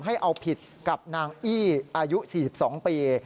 ให้เอาผิดกับนางอี้อายุ๔๒ปี